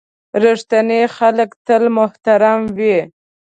• رښتیني خلک تل محترم وي.